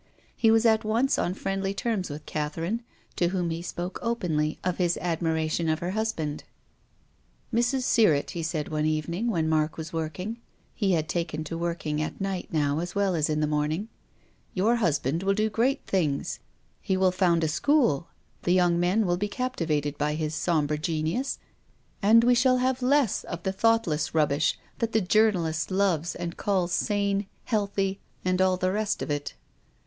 He was at once on friendly terms with Catherine, to whom he spoke openly of his admi ration of her husband. " Mrs. Sirrett," he said one evening, when Mark was working — he had taken to working at night now as well as in the morning —" your hus band will do great things. He will found a school. The young men will be captivated by his sombre genius, and we shall have less of the thoughtless rubbish that the journalist loves and calls sane, healthy, and all the rest of it."